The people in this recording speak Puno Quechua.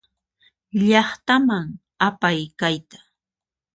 Llaqtaman apay kayta.